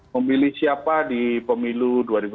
memilih siapa di pemilu